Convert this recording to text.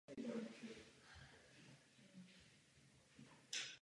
Uvedenými faktory mohou být poškozeny všechny druhy rostlin.